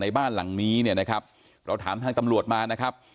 บ้านหลังนี้เนี่ยนะครับเราถามทางตำรวจมานะครับ